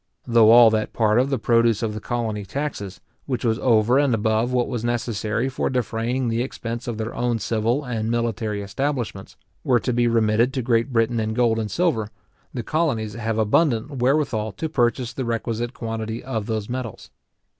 Though all that part of the produce of the colony taxes, which was over and above what was necessary for defraying the expense of their own civil and military establishments, were to be remitted to Great Britain in gold and silver, the colonies have abundantly wherewithal to purchase the requisite quantity of those metals.